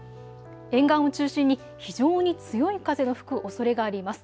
沿岸を中心に非常に強い風が吹くおそれがあります。